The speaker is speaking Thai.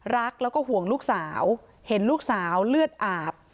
รักแล้วก็ห่วงลูกสาวเห็นลูกสาวเลือดอาบ